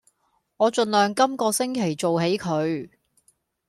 我儘量今個星期做起佢